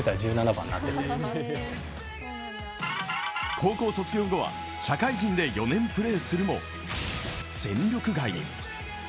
高校卒業後は社会人で４年プレーするも戦力外に。